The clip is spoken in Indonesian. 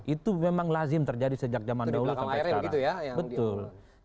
itu memang lazim terjadi sejak zaman dahulu sampai sekarang